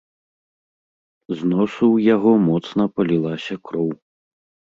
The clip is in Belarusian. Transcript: З носу ў яго моцна палілася кроў.